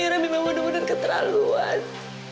karena memang mudah mudahan keterlaluan